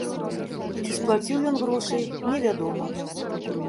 Ці сплаціў ён грошы, невядома.